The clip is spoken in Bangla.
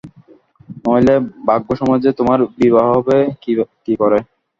নইলে ব্রাহ্মসমাজে তোমার বিবাহ হবে কী করে?